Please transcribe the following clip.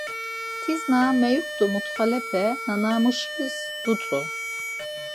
Tis na meyuxtu mutxanepe nanamuşis dutzu.